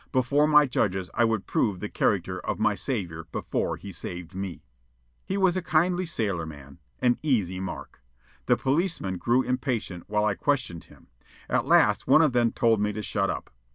Before my judges I would prove the character of my savior before he saved me. He was a kindly sailorman an "easy mark." The policemen grew impatient while I questioned him. At last one of them told me to shut up.